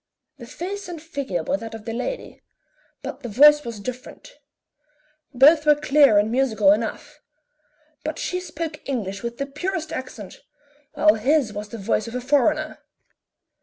The face and figure were that of the lady, but the voice was different; both were clear and musical enough, but she spoke English with the purest accent, while his was the voice of a foreigner.